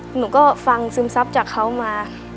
หนูก็ฟังซึมซับจากเขามา